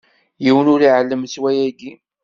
Yiwen ur iɛellem s wayagi!